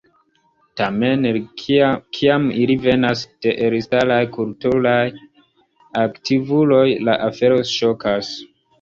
Tamen, kiam ili venas de elstaraj kulturaj aktivuloj, la afero ŝokas.